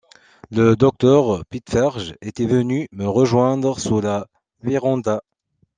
Le docteur Pitferge était venu me rejoindre sous la vérandah.